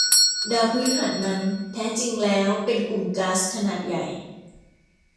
ดาวพฤหัสนั้น แท้จริงแล้วเป็นกลุ่มก๊าซขนาดใหญ่